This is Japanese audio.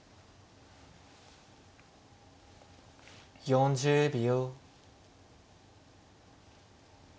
４０秒。